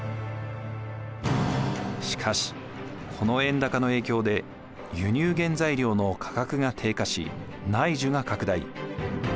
しかしこの円高の影響で輸入原材料の価格が低下し内需が拡大。